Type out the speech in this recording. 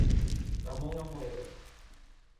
Ramón Amoedo.